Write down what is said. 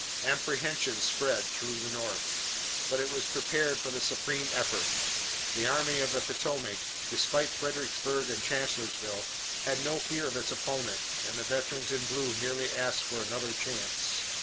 Apprehension spread through the North, but it was prepared for the supreme effort. The Army of the Potomac, despite Fredericksburg and Chancellorsville, had no fear of its opponent, and the veterans in blue merely asked for another chance.